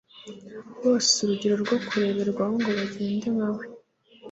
bose urugero rwo kureberwaho ngo bagenze nka we